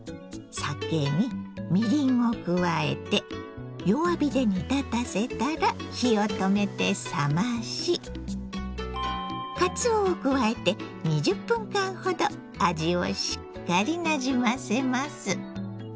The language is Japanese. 酒にみりんを加えて弱火で煮立たせたら火を止めて冷ましかつおを加えて２０分間ほど味をしっかりなじませます。